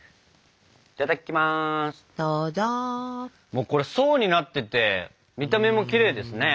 もうこれ層になってて見た目もきれいですね。